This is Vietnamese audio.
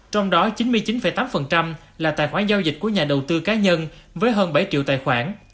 trong đó chín mươi chín tám là tài khoản giao dịch của nhà đầu tư cá nhân với hơn bảy triệu tài khoản